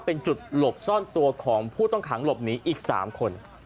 เป็นจุดหลบซ่อนตัวของผู้ต้องขังหลบหนีอีก๓คน